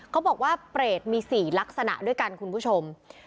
เขาบอกว่าเปรตมี๔ลักษณะด้วยกันคุณผู้ชม